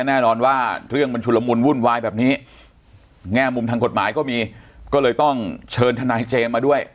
แง่มุมทางกฎหมายก็มีก็เลยต้องเชิญทนายเจมส์มาด้วย